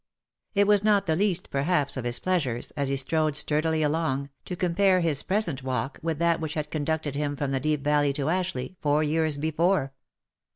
It was not the least, perhaps, of his pleasures, as he strode sturdily along, to compare his present walk with that which had conducted him from the Deep Valley to Ashleigh, four years be fore.